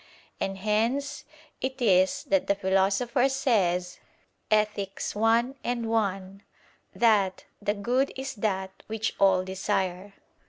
And hence it is that the Philosopher says (Ethic. i, 1) that "the good is that which all desire."